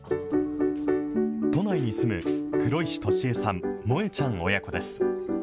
都内に住む黒石利江さん、百恵ちゃん親子です。